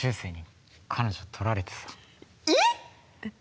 えっ？